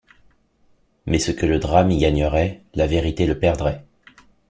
Mais ce que le drame y gagnerait, la vérité le perdrait.